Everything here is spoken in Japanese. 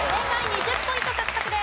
２０ポイント獲得です。